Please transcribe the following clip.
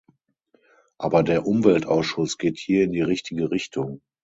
Aber der Umweltausschuss geht hier in die richtige Richtung.